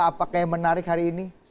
apakah yang menarik hari ini